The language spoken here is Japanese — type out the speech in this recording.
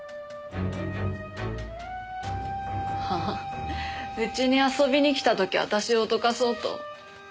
ああうちに遊びに来た時私を脅かそうと。